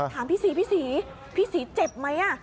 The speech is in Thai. ถามพี่ศรีพี่ศรีเจ็บไหม